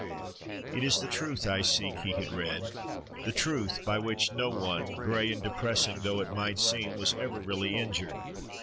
"It is the truth I seek," he had read, "the truth, by which no one," gray and depressing though it might seem, "was ever really injured."